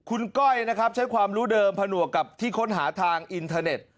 คุณก้อยนะครับใช้ความรู้เดิมผนวกกับที่ค้นหาทางอินเทอร์เน็ต